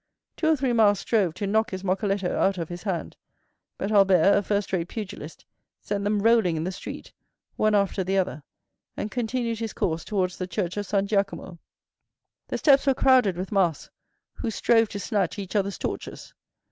Two or three masks strove to knock his moccoletto out of his hand; but Albert, a first rate pugilist, sent them rolling in the street, one after the other, and continued his course towards the church of San Giacomo. The steps were crowded with masks, who strove to snatch each other's torches.